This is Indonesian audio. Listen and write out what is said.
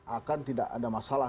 akan tidak ada masalah